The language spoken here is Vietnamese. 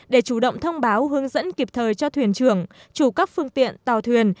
để chủ động thông báo hướng dẫn kịp thời cho thuyền trưởng chủ các phương tiện tàu thuyền